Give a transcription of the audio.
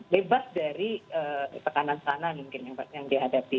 lebar dari tekanan sana mungkin yang dihadapi